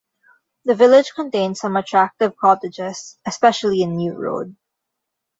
The village contains some attractive cottages especially in New Road.